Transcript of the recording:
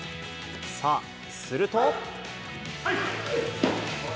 さあ、すると。